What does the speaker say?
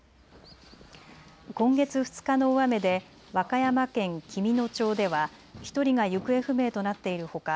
今月２日の大雨で和歌山県紀美野町では１人が行方不明となっているほか